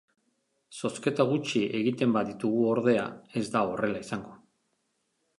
Zozketa gutxi egiten baditugu, ordea, ez da horrela izango.